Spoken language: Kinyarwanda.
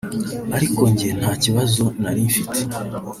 ariko njye nta kibazo nari mfite